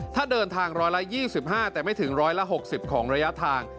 ถ้าเดินทางร้อยละ๒๕แต่ไม่ถึงร้อยละ๖๐ของระยะทาง